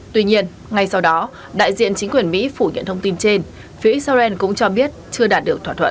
tuy nhiên ngay sau đó đại diện chính quyền mỹ phủ nhận thông tin trên phía israel cũng cho biết chưa đạt được thỏa thuận